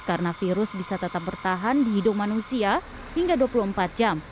karena virus bisa tetap bertahan di hidup manusia hingga dua puluh empat jam